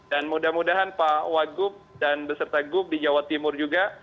dan mudah mudahan pak wagu dan beserta gup di jawa timur juga